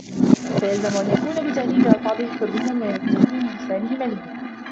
فَيَلْزَمُ أَنْ يَكُونَ بِتَهْذِيبِ أَلْفَاظِهِ حَرِيًّا وَبِتَقْوِيمِ لِسَانِهِ مَلِيًّا